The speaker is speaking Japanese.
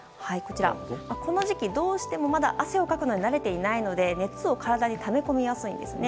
この時期、どうしてもまだ汗をかくのに慣れていないので熱を体にため込みやすいです。